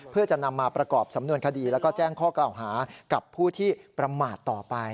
เพื่อจะนำมาประกอบสำนวนคดีแล้วก็แจ้งข้อกล่าวหากับผู้ที่ประมาทต่อไป